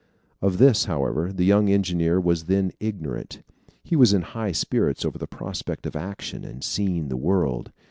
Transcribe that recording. Of this, however, the young engineer was then ignorant. He was in high spirits over the prospect of action and seeing the world.